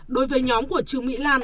đối với nhóm của trường mỹ lan